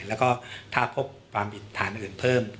แล้วก็ถ้าพบความผิดฐานอื่นเพิ่ม